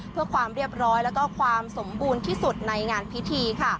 เพื่อความเรียบร้อยแล้วก็ความสมบูรณ์ที่สุดในงานพิธีค่ะ